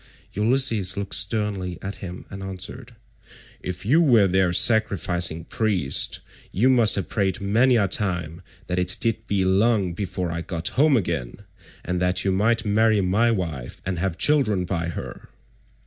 Ulysses looked sternly at him and answered, "If you were their sacrificing priest, you must have prayed many a time that it might be long before I got home again, and that you might marry my wife and have children by her.